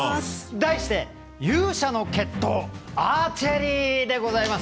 題して「勇者の決闘アーチェリー」でございます。